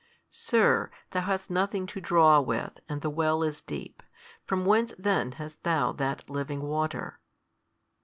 Sir, Thou hast nothing to draw with, and the well is deep: from whence then hast Thou that living water?